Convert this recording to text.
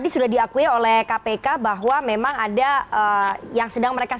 itu adalah contoh contoh dan juga